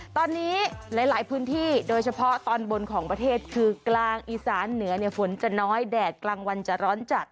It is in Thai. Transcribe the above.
ตอนนี้หลายพื้นที่โดยเฉพาะตอนบนของประเทศคือกลางอีสานเหนือฝนจะน้อยแดดกลางวันจะร้อนจัด